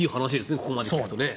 ここまで聞くとね。